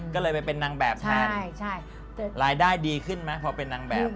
ก็เลยไปเป็นนางแบบแทนรายได้ดีขึ้นไหมพอเป็นนางแบบ